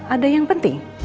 ada yang penting